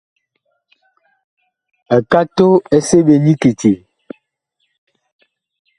Ekato ɛ seɓe la nyi kiti ?